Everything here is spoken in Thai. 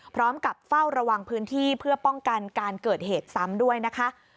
พร้อมกับเฝ้าระวังพื้นที่เพื่อป้องกันการเกิดเหตุซ้ำด้วยนะคะ